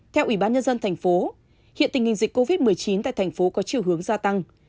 theo ủy ban nhân dân thành phố hiện tình hình dịch covid một mươi chín tại thành phố có chiều hướng gia tăng